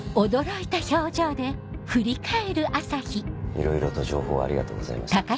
いろいろと情報ありがとうございました。